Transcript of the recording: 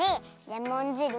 レモンじる！